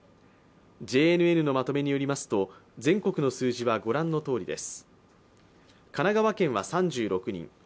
ＪＮＮのまとめによりますと全国の数字はご覧のとおりです。